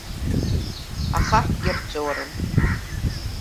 Ахаҳәгьы арҵәыуарын!